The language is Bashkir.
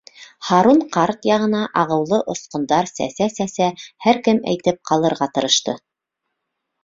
Һарун ҡарт яғына ағыулы осҡондар сәсә-сәсә һәр кем әйтеп ҡалырға тырышты: